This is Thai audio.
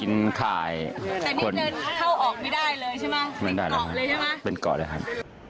ไม่ได้เลยใช่ไหมไม่ได้เลยใช่ไหมแล้วเป็นก่อได้ครับ